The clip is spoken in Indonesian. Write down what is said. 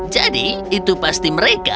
jadi itu pasti mereka